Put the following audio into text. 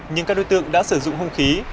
nhưng các đối tượng đã sử dụng hông khí